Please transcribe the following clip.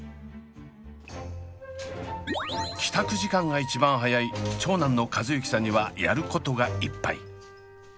帰宅時間が一番早い長男の和友輝さんにはやることがいっぱい。